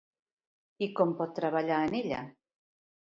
I com pot treballar en ella?